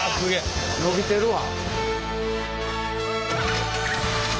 伸びてるわ！